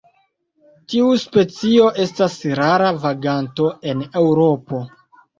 Tiu specio estas rara vaganto en Eŭropo.